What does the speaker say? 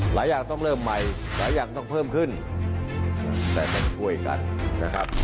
หลายอย่างต้องเริ่มใหม่หลายอย่างต้องเพิ่มขึ้นแต่ต้องช่วยกันนะครับ